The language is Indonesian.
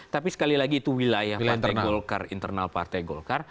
tapi sekali lagi itu wilayah partai golkar internal partai golkar